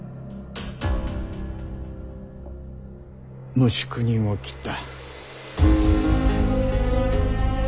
無宿人を斬った。